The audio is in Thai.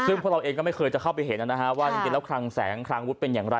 ซึ่งพวกเราเองก็ไม่เคยจะเข้าไปเห็นนะฮะว่าจริงแล้วคลังแสงคลังวุฒิเป็นอย่างไร